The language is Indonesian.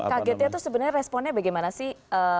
kagetnya itu sebenarnya responnya bagaimana sih